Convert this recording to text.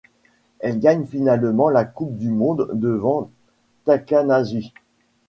Elle gagne finalement la Coupe du monde devant Takanashi.